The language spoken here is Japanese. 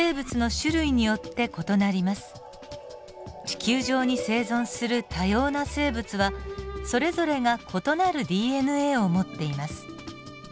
地球上に生存する多様な生物はそれぞれが異なるＤＮＡを持っています。